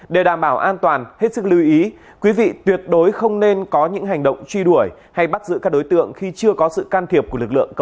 để đảm bảo an toàn hết sức lưu ý quý vị tuyệt đối không nên có những hành động truy đuổi hay bắt giữ các đối tượng khi chưa có sự cao